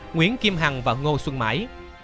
nguyễn kim hằng và ngô xuân mãi